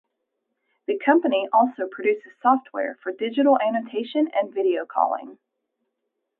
The company also produces software for digital annotation and video calling.